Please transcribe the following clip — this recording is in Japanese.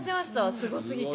すごすぎて。